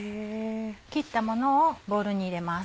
切ったものをボウルに入れます。